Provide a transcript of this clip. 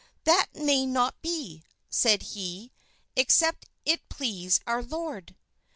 "That may not be," said he, "except it please our Lord."